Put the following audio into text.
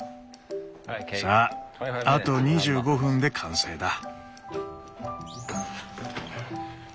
さああと２５分で完成だ。